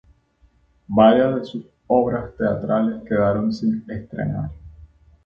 Varias de sus obras teatrales quedaron sin estrenar.